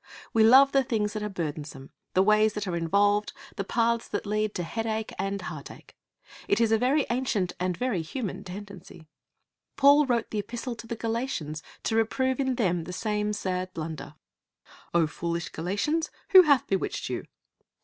We love the things that are burdensome, the ways that are involved, the paths that lead to headache and heartache. It is a very ancient and very human tendency. Paul wrote the Epistle to the Galatians to reprove in them the same sad blunder. 'O foolish Galatians, who hath bewitched you?'